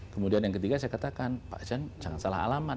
kemudian yang ketiga saya katakan pak jan jangan salah alamat